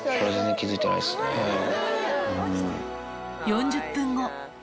４０分後。